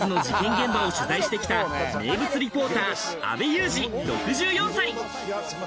現場を取材してきた名物リポーター・阿部祐二、６４歳。